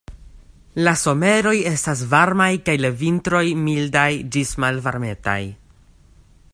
La someroj estas varmaj kaj la vintroj mildaj ĝis malvarmetaj.